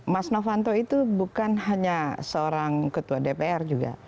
mas novanto itu bukan hanya seorang ketua dpr juga